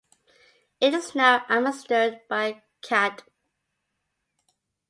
It is now administered by Cadw.